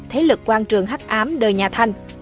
thế lực quan trường hắt ám đời nhà thanh